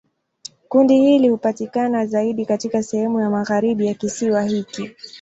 Kundi hili hupatikana zaidi katika sehemu ya magharibi ya kisiwa hiki.